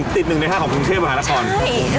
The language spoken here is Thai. ติด๑ใน๕ของกรุงเทพฯมหาละครใช่